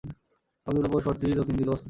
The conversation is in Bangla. অলঙ্কৃত প্রবেশ পথটি দক্ষিণ দিক অবস্থিত।